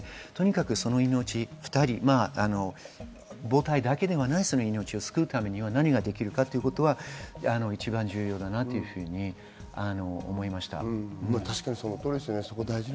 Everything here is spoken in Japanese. その命、母体だけではないその命を救うためには何ができるかということが一番重要だなというふうに思いました。